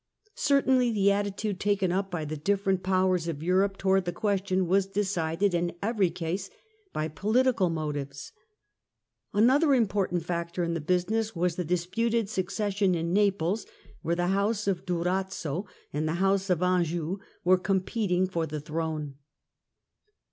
Certainly the attitude taken up by the different Powers of Europe towards the question was decided in every case by political motives. Another important factor in the business was the dis puted succession in Naples where the House of Durazzo and the House of Anjou were competing for the throne.